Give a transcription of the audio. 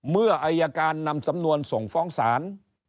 เมื่ออายการนำสำนวนส่งฟ้องศาล